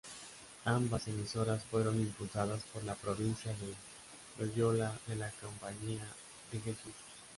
Ambas emisoras fueron impulsadas por la Provincia de Loyola de la Compañía de Jesús.